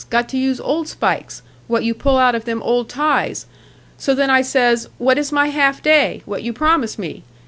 Got to use old spikes, what you pull out of them old ties. So then I says, 'What is my half day, what you promise me?'